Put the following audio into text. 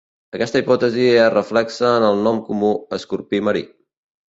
Aquesta hipòtesi es reflexa en el nom comú "escorpí marí".